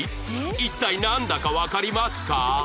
一体なんだかわかりますか？